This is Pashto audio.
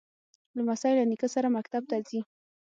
لمسی له نیکه سره مکتب ته ځي.